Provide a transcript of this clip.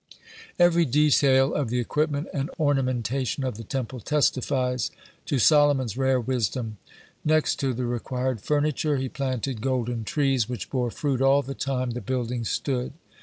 (57) Every detail of the equipment and ornamentation of the Temple testifies to Solomon's rare wisdom. Next to the required furniture, he planted golden trees, which bore fruit all the time the building stood.